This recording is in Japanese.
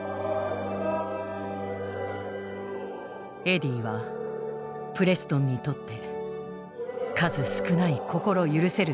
エディはプレストンにとって数少ない心許せる存在だった。